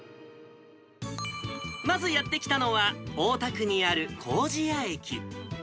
まずやって来たのは、大田区にある糀谷駅。